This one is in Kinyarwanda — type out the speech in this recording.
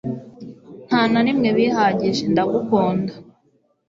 nta na rimwe bihagije ndagukunda